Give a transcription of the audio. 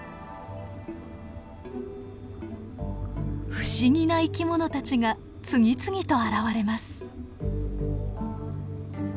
不思議な生き物たちが次々と現れます。